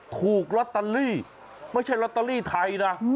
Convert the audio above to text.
ถูกลอตเตอรี่ไม่ใช่ลอตเตอรี่ไทยนะ